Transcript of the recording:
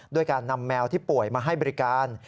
ด้วยการนำแมวที่ป่วยมาให้บริการ